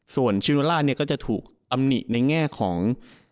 ส่วนชิโนล่าเนี่ยก็จะถูกตำหนิในแง่ของ